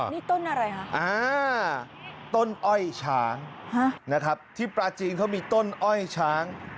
นี่ต้นอะไรคะต้นอ้อยช้างนะครับที่ปลาจีนเขามีต้นอ้อยช้าง